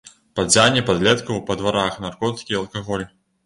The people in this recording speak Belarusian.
Бадзянне падлеткаў па дварах, наркотыкі і алкаголь.